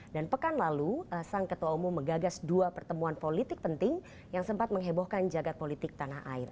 dan pekan lalu sang ketua umum mengagas dua pertemuan politik penting yang sempat menghebohkan jagad politik tanah air